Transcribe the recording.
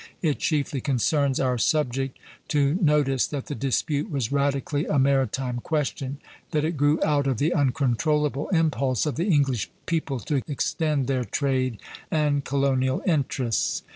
It chiefly concerns our subject to notice that the dispute was radically a maritime question, that it grew out of the uncontrollable impulse of the English people to extend their trade and colonial interests.